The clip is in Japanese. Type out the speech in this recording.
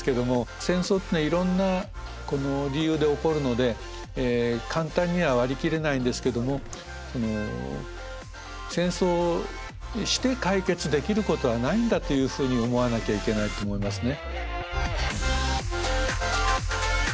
戦争っていうのはいろんな理由で起こるので簡単には割り切れないんですけども戦争をして解決できることはないんだというふうに思わなきゃいけないと思いますね。